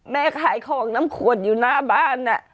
แม่ขายของน้ำขวดอยู่หน้าบ้าน